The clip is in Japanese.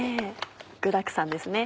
具だくさんですね。